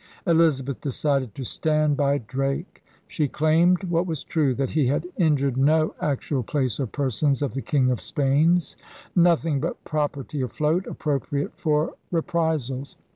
' Elizabeth decided to stand by Drake. She claimed, what was true, that he had injured no actual place or person of the King of Spain's, nothing but property afloat, appropriate for re prisals.